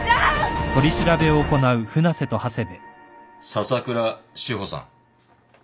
笹倉志帆さん。